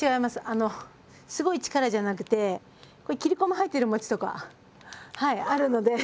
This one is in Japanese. あのすごい力じゃなくてこれ切り込み入ってる餅とかはいあるので。